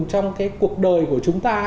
trong cuộc đời của chúng ta